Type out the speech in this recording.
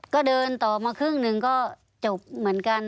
ก็เดินต่อมาครึ่งหนึ่งก็จบเหมือนกัน